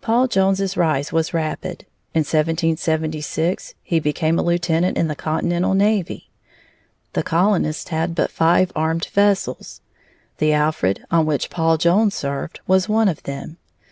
Paul Jones's rise was rapid. In 1776 he became a lieutenant in the Continental navy. The colonists had but five armed vessels; the Alfred, on which Paul Jones served, was one of them.